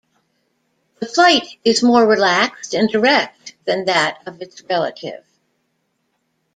The flight is more relaxed and direct than that of its relative.